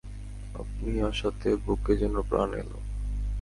আপনি আসাতে বুকে যেন প্রাণ এলো।